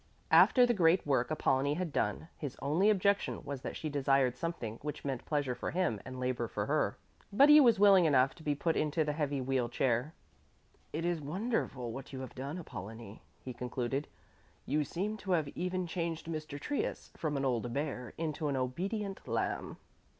After the great work Apollonie had done, his only objection was that she desired something which meant pleasure for him and labour for her. But he was willing enough to be put into the heavy wheel chair. "It is wonderful what you have done, Apollonie," he concluded. "You seem to have even changed Mr. Trius from an old bear into an obedient lamb."